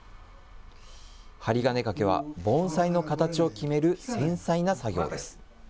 針金かけは、盆栽の形を決める繊細な作業です。